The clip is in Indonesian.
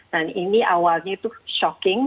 dan ini awalnya itu shocking